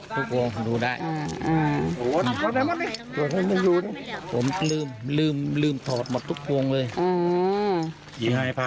ทุกวงดูได้อืมผมลืมทอดหมดทุกวงเลย